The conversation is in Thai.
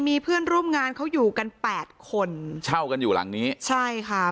มีเพื่อนร่วมงานเขาอยู่กันแปดคนเช่ากันอยู่หลังนี้ใช่ค่ะ